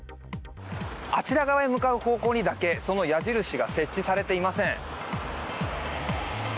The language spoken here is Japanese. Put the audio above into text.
あちら側へ向かう方向にだけその矢印が設置されていません。